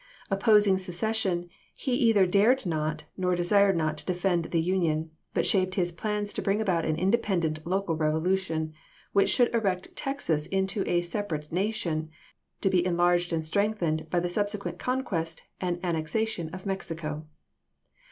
Opposing secession, he either dared not or desired not to defend the Union, but shaped his plans to bring about an independent local revolution, which should erect Texas into a separate nation, to be enlarged and strengthened by the subsequent conquest and an nexation of Mexico.